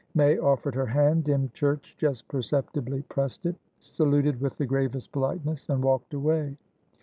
May offered her hand. Dymchurch just perceptibly pressed it, saluted with the gravest politeness, and walked away.